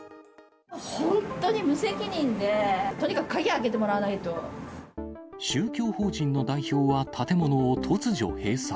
本当に無責任で、とにかく鍵、宗教法人の代表は、建物を突如閉鎖。